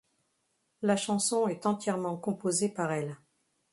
La chanson est entièrement composée par elle.